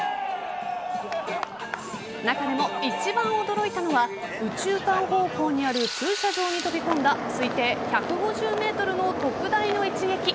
中でも一番驚いたのは右中間方向にある駐車場に飛び込んだ推定１５０ｍの特大の一撃。